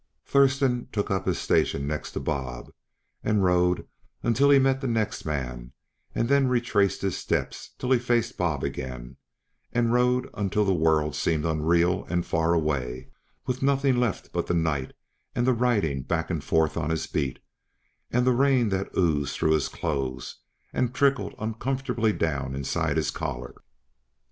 Thurston took up his station next to Bob; rode until he met the next man, and then retraced his steps till he faced Bob again; rode until the world seemed unreal and far away, with nothing left but the night and the riding back and forth on his beat, and the rain that oozed through his clothes and trickled uncomfortably down inside his collar.